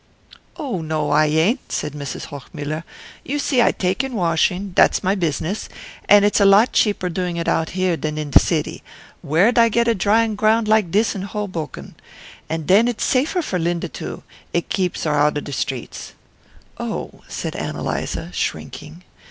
"Oh, no, I ain't," said Mrs. Hochmuller. "You see I take in washing dat's my business and it's a lot cheaper doing it out here dan in de city: where'd I get a drying ground like dis in Hobucken? And den it's safer for Linda too; it geeps her outer de streets." "Oh," said Ann Eliza, shrinking.